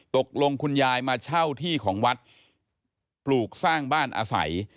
คุณยายมาเช่าที่ของวัดปลูกสร้างบ้านอาศัย